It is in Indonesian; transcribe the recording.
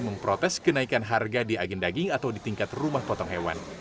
memprotes kenaikan harga di agen daging atau di tingkat rumah potong hewan